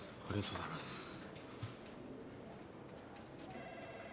ありがとうございます。